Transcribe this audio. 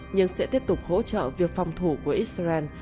nhưng sẽ tiếp tục hỗ trợ việc phòng thủ của israel